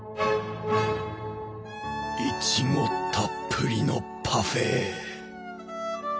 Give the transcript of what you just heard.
いちごたっぷりのパフェ！